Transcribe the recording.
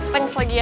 thanks lagi ya